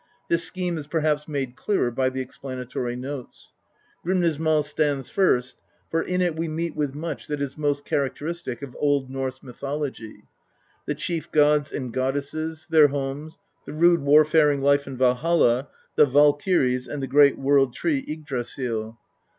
This scheme is perhaps made clearer by the explanatory notes. Grimnisnrwl stands first, for in it we meet with much that is most characteristic of Old Norse mythology, the chief gods and goddesses, their homes, the rude war faring life in Valholl, the Val kyries, and the great World tree, Yggdrasil.